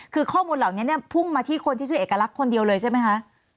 คือข้อมูลเหล่านี้เนี่ยพุ่งมาที่คนที่ชื่อเอกลักษณ์คนเดียวเลยใช่ไหมคะ